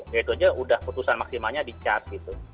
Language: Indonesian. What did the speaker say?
ya itu aja udah putusan maksimalnya di cas gitu